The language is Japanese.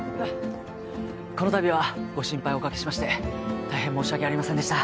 このたびはご心配おかけしまして大変申し訳ありませんでした。